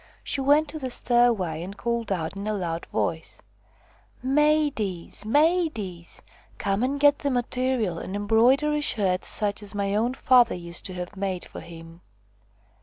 She went to the stairway and called out in a loud voice :" Maidies ! maidies ! come and get the material and embroider a shirt such as my own father used to have made for him